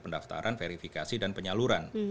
pendaftaran verifikasi dan penyaluran